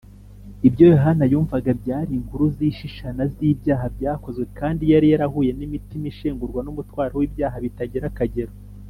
, ibyo Yohana yumvaga byari inkuru zishishana z’ibyaha byakozwe, kandi yari yarahuye n’imitima ishengurwa n’umutwaro w’ibyaha bitagira akagero